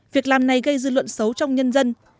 việc làm này gây dư luận xấu trong nhân dân